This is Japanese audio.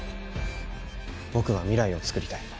僕は未来をつくりたい。